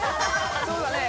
そうだね。